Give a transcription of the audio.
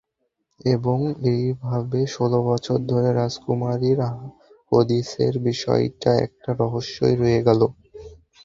এবং এইভাবে, ষোল বছর ধরে, রাজকুমারীর হদিসের বিষয়টি একটা রহস্যই রয়ে গেলো।